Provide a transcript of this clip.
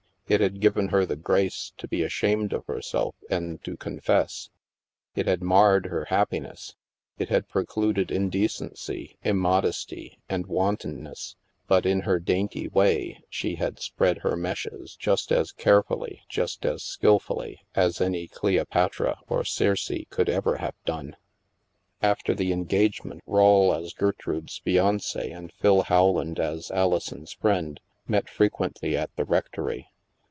It had given her the grace to be ashamed of herself and to confess. It had marred her happiness. It had pre cluded indecency, immodesty, and wantonness. But, in her dainty way, she had spread her meshes just as carefully, just as skilfully, as any Cleopatra or Circe could ever have done. After the engagement, Rawle as Gertrude's fiance and Phil Rowland as Alison's friend, met frequently at the rectory.